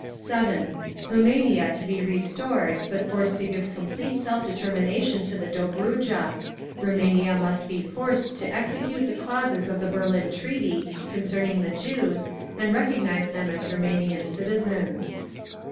(7) Rumania to be restored, but forced to give complete self determination to the Dobrudja…. Rumania must be forced to execute the clauses of the Berlin Treaty concerning the Jews, and recognise them as Rumanian citizens.